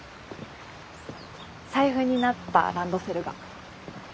財布になったランドセルが。